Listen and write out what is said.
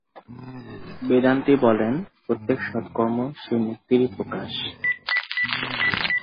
বেদান্তী বলেন, প্রত্যেক সৎ কর্ম সেই মুক্তিরই প্রকাশ।